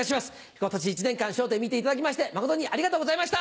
今年一年間『笑点』見ていただき誠にありがとうございました！